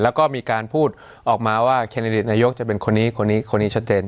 แล้วก็มีการพูดออกมาว่าแคนดิเดตนายกจะเป็นคนนี้คนนี้คนนี้ชัดเจน